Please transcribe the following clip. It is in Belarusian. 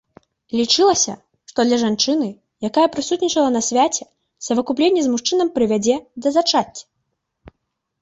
Лічылася, што для жанчыны, якая прысутнічала на свяце, савакупленне з мужчынам прывядзе да зачацця.